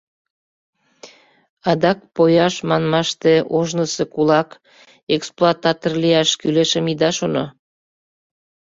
Адак, «пояш» манмаште ожнысо кулак, эксплуататор лияш кӱлешым ида шоно.